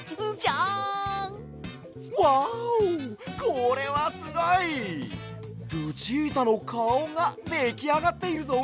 これはすごい！ルチータのかおができあがっているぞ！